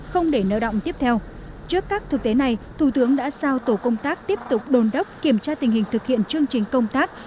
không để nợ động tiếp theo trước các thực tế này thủ tướng đã sao tổ công tác tiếp tục đồn đốc kiểm tra tình hình thực hiện chương trình công tác